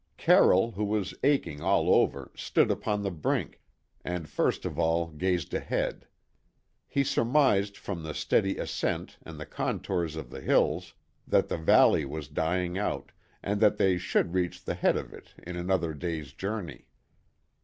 Carroll, who was aching all over, stood upon the brink, and first of all gazed ahead. He surmised from the steady ascent and the contours of the hills that the valley was dying out, and that they should reach the head of it in another day's journey.